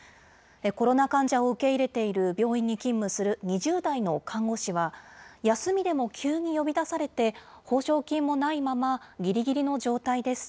コロナ患者を受け入れている病院に勤務する２０代の看護師は、休みでも急に呼び出されて、報奨金もないまま、ぎりぎりの状態です。